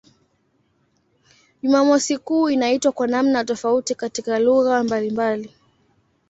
Jumamosi kuu inaitwa kwa namna tofauti katika lugha mbalimbali.